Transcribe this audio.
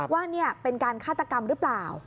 ว่านี่เป็นการฆาตกรรมหรือเปล่า